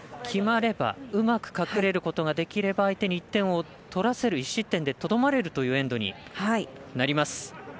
決まればうまく隠れることができれば相手に１点を取らせる１失点でとどまらせるというエンドになります。